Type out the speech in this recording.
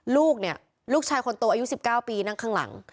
ลูกเนี่ยลูกชายคนโตอายุ๑๙ปีนั่งข้างหลัง